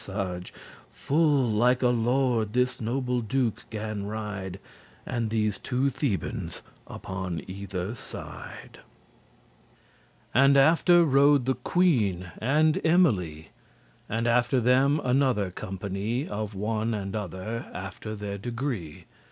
*serge <78> Full like a lord this noble Duke gan ride, And these two Thebans upon either side: And after rode the queen and Emily, And after them another company Of one and other, after their degree.